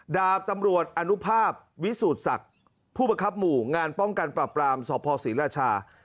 ดาบตำรวจอนุภาพวิสูจน์ศักดิ์ผู้ประคับหมู่งานป้องกันปรับปรามสพศรีราชา